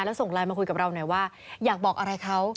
แล้วส่งไลน์มาคุยกับเราหน่อยว่าอยากบอกอะไรเขา